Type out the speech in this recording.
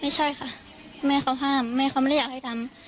ไม่ใช่ค่ะแม่เขาห้ามแม่เขาไม่ได้อยากให้ทำ